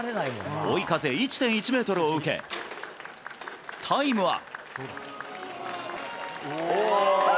追い風１．１メートルを受け、タイムは？